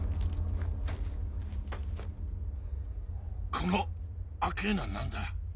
この赤ぇのは何だ？